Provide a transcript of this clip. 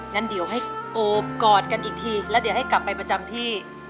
งั้นเดี๋ยวให้โอบกอดกันอีกทีแล้วเดี๋ยวให้กลับไปประจำที่